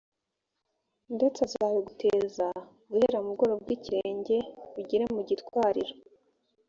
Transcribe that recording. ndetse azabiguteza guhera mu bworo bw’ikirenge bigere mu gitwariro.